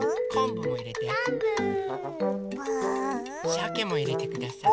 しゃけもいれてください。